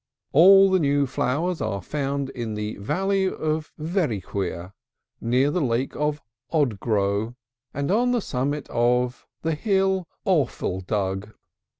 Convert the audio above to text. All the new flowers are found in the Valley of Verrikwier, near the Lake of Oddgrow, and on the summit of the Hill Orfeltugg."